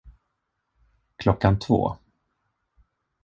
Klockan två.